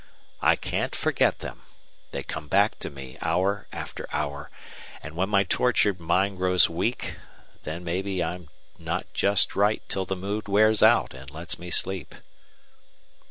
I can't forget them. They come back to me, hour after hour; and when my tortured mind grows weak, then maybe I'm not just right till the mood wears out and lets me sleep."